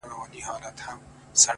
• د هرات لرغونی ښار ,